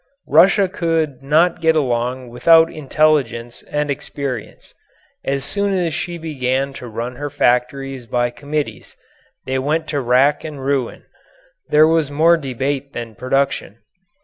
Russia could not get along without intelligence and experience. As soon as she began to run her factories by committees, they went to rack and ruin; there was more debate than production.